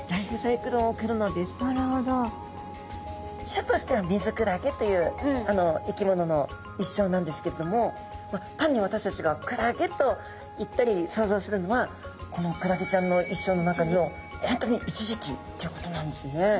種としてはミズクラゲという生き物の一生なんですけれども単に私たちがクラゲといったり想像するのはこのクラゲちゃんの一生の中の本当に一時期ということなんですね。